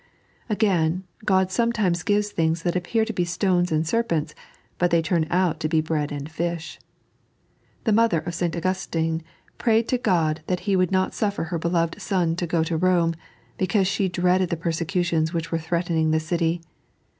Agnin, God sometimes gives things that appear to be stones and serpents, but they turn out to be bread and fish. The mother of St. Aiigustine prayed to God that He would not suffer her beloved son to go to Bome, because she dreaded the persecutions which were threatening the city.